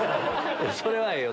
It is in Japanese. それはええよ！